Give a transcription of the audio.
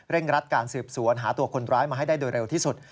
รัดการสืบสวนหาตัวคนร้ายมาให้ได้โดยเร็วที่สุด